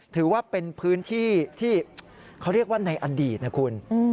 ถือว่าเป็นพื้นที่ที่เขาเรียกว่าในอดีตนะคุณ